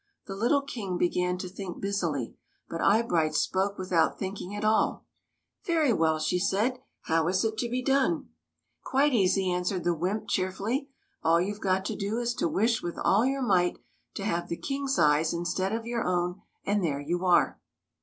The little King began to think busily, but Eyebright spoke without thinking at all. " Very well," she said. " How is it to be done?" " Quite easy," answered the wymp, cheer fully. "All you Ve got to do is to wish with all your might to have the King's eyes instead of your own, and there you are